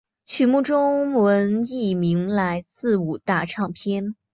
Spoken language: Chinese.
曲目中文译名来自五大唱片。